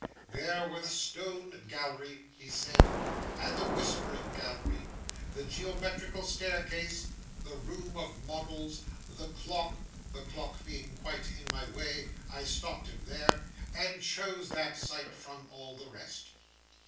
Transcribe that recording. There were the stone gallery, he said, and the whispering gallery, the geometrical staircase, the room of models, the clock—the clock being quite in my way, I stopped him there, and chose that sight from all the rest.